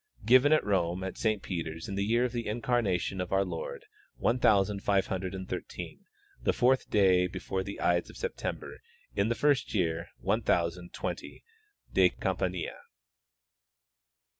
Given at Rome, at Saint Peter's, in the year of the incarnation of our Lord one thousand five hundred and thirteen, the fourth clay before the ides of September, in the first year M. XX de Campania.